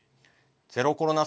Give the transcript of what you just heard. ゼロコロナ